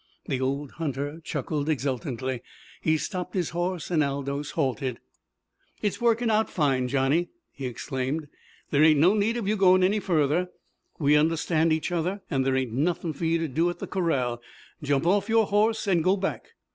The old hunter chuckled exultantly. He stopped his horse, and Aldous halted. "It's workin' out fine, Johnny!" he exclaimed. "There ain't no need of you goin' any further. We understand each other, and there ain't nothin' for you to do at the corral. Jump off your horse and go back.